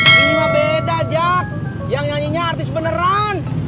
ini mah beda cak yang nyanyinya artis beneran